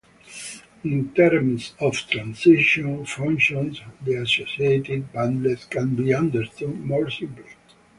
In terms of transition functions the associated bundle can be understood more simply.